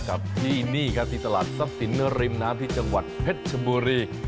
กับที่นี่ครับที่ตลาดทรัพย์สินริมน้ำที่จังหวัดเพชรชบุรี